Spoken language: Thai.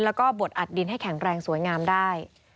แล้วก็บดอัดดินให้แข็งแรงสวยงามได้